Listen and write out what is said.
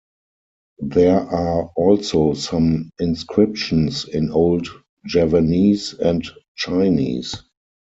There are also some inscriptions in Old Javanese and Chinese.